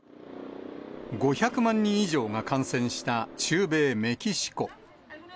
５００万人以上が感染した中米メキシコ。